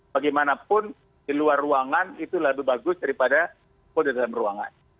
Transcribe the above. bagaimanapun di luar ruangan itu lebih bagus daripada kode dalam ruangan